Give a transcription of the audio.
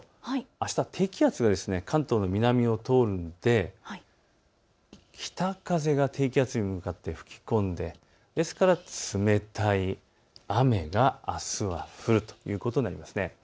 あしたは低気圧が関東の南を通るので北風が低気圧に向かって吹き込んで、ですから、冷たい雨が、あすは降るということになります。